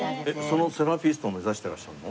そのセラピスト目指してらっしゃるの？